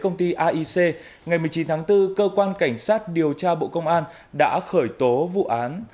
ngày một mươi chín tháng bốn cơ quan cảnh sát điều tra bộ công an đã khởi tố vụ án